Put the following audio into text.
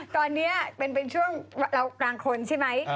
ตอนนี้เป็นช่วงเรากลางคนใช่ไหม